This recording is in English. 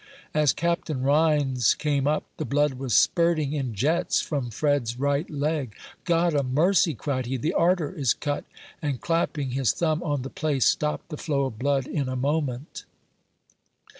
As Captain Rhines came up, the blood was spirting in jets from Fred's right leg. "God o' mercy!" cried he, "the arter is cut;" and, clapping his thumb on the place, stopped the flow of blood in a moment.